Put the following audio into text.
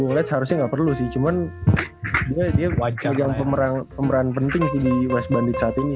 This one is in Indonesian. wajahnya wajahnya harusnya gak perlu sih cuman dia dia pegang pemeran penting di west bandit saat ini